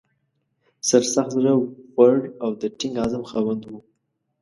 سرسخت، زړه ور او د ټینګ عزم خاوند و.